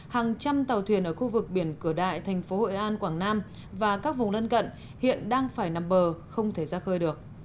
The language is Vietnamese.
hàng trăm tàu thuyền ở khu vực biển cửa đại thành phố hội an quảng nam và các vùng lân cận hiện đang phải nằm bờ không thể ra khơi được